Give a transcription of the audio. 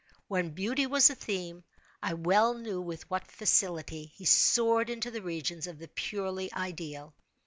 When beauty was the theme, I well knew with what facility he soared into the regions of the purely ideal.